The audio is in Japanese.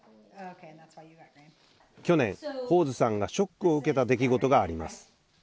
去年ホーズさんがショックを受けた出来事があります。